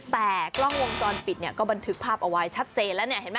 แต่กล้องวงจรปิดเนี่ยก็บันทึกภาพเอาไว้ชัดเจนแล้วเนี่ยเห็นไหม